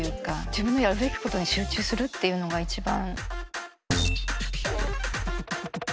自分のやるべきことに集中するっていうのが一番。